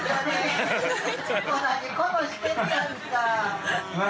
同じことしてんのやんか。